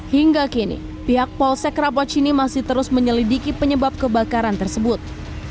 hingga kini pihak polsek rapocini masih terus menyelidiki penyebab kebakaran tersebut